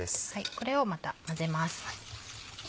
これをまた混ぜます。